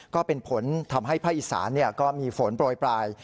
ก็เป็นผลทำให้ภาคอีสานก็มีฝนโปรยปลาย